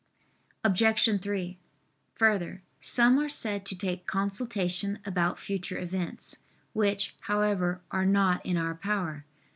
Obj. 3: Further, some are said to take consultation about future events; which, however, are not in our power.